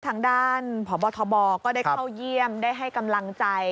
ทางด้านพบทบก็ได้เข้าเยี่ยมได้ให้กำลังใจ